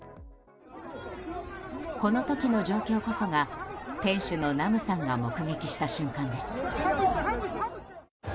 この時の状況こそが店主のナムさんが目撃した瞬間です。